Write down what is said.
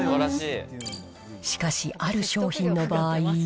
しかし、ある商品の場合。